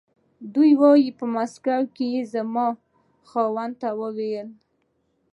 دې وویل په مسکو کې یې زما خاوند ته و ویل.